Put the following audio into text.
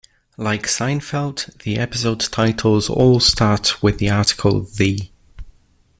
Like "Seinfeld", the episode titles all start with the article "The".